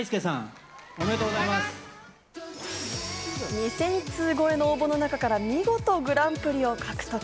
２０００通超えの応募の中から見事グランプリを獲得。